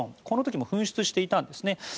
この時も噴出していたんです。